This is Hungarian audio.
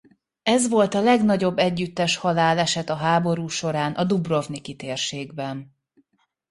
Ez volt a legnagyobb együttes haláleset a háború során a dubrovniki térségben.